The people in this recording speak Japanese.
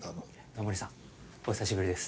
タモリさんお久しぶりです。